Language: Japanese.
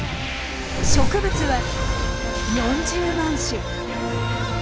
植物は４０万種。